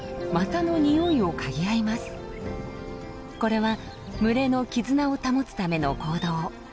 これは群れの絆を保つための行動。